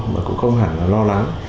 mà cũng không hẳn là lo lắng